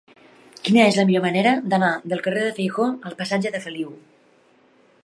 Quina és la millor manera d'anar del carrer de Feijoo al passatge de Feliu?